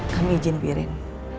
kami izin piring